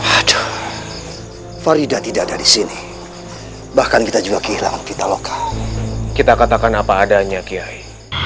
aja farida tidak ada di sini bahkan kita juga kehilangan kita lokal kita katakan apa adanya kiai